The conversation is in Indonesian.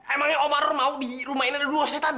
emangnya om arul mau di rumah ini ada dua setan